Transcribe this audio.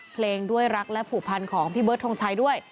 เพลงด้วยรักและผูกพันของพี่เบิร์ดทงชัยด้วย